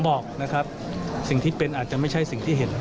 บอกนะครับสิ่งที่เป็นอาจจะไม่ใช่สิ่งที่เห็น